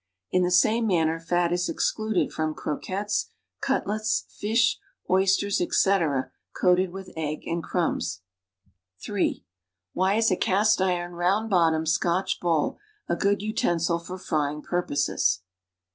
In tlie same manner fat is excluded from crociuettes, cutlets, fish, oysters, etc., coated with egg and crumbs. (3) Why is a cast iron, round bottomed, Scotch bowl a good utensil for frying purposes?